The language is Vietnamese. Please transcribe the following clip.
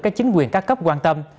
các chính quyền ca cấp quan tâm